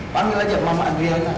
panggil aja mama adrena